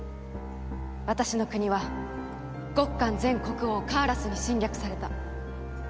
私の国はゴッカン前国王カーラスに侵略された。